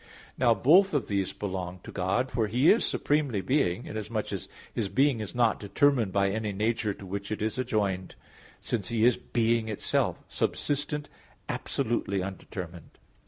Now both of these belong to God. For He is supremely being, inasmuch as His being is not determined by any nature to which it is adjoined; since He is being itself, subsistent, absolutely undetermined.